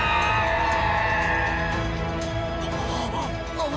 ああ！